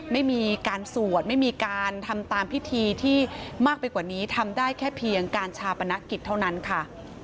ไม่มีการสวดไม่มีการทำตามพิธีที่มากไปกว่านี้ทำได้แค่เพียงการชาปนกิจเท่านั้นค่ะ